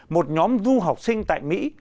một nhóm du học sinh tại mỹ